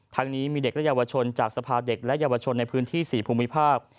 นี้มีเด็กและเยาวชนจากสภาเด็กและเยาวชนในพื้นที่๔ภูมิภาค